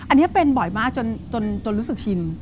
อันนี้เป็นบ่อยมากจนรู้สึกชิน